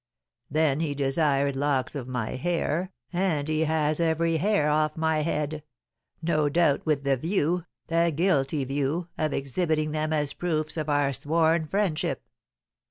Then he desired locks of my hair, and he has every hair off my head, no doubt with the view, the guilty view, of exhibiting them as proofs of our sworn friendship.